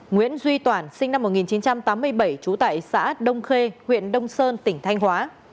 nguyễn duy toản sinh năm một nghìn chín trăm tám mươi bảy trú tại xã đông khê huyện đông sơn tỉnh thanh hóa